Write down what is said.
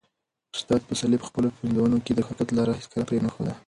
استاد پسرلي په خپلو پنځونو کې د حقیقت لاره هیڅکله پرې نه ښوده.